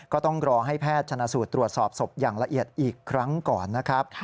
ก็ต้องรอให้แพทย์ชนะสูตรตรวจสอบศพอย่างละเอียดอีกครั้งก่อนนะครับ